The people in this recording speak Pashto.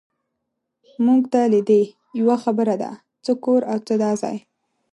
مونږ ته لیدې، یوه خبره ده، څه کور او څه دا ځای.